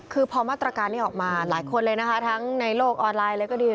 คือพอมาตรการนี้ออกมาหลายคนเลยนะคะทั้งในโลกออนไลน์อะไรก็ดี